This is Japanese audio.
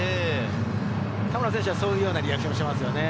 田村選手はそういうようなリアクションをしていますね。